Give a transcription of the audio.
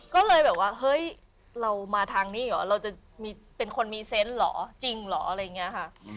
ก็เลยแบบว่าเฮ้ยเรามาทางนี้เหรอเราจะเป็นคนมีเซนต์เหรอจริงเหรออะไรอย่างนี้ค่ะ